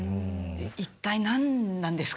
一体、なんなんですか？